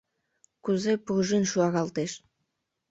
кузе пружин шуаралтеш